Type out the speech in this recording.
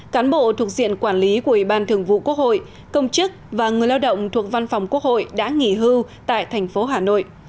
cán bộ thuộc diện quản lý của ủy ban thường vụ quốc hội công chức và người lao động thuộc văn phòng quốc hội đã nghỉ hưu tại thành phố hà nội